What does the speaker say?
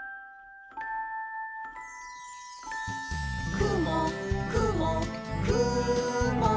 「くもくもくも」